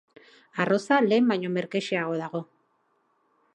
Arroza lehen baino merkexeago dago.